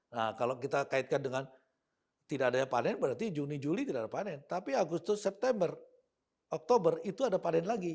nah kalau kita kaitkan dengan tidak adanya panen berarti juni juli tidak ada panen tapi agustus september oktober itu ada panen lagi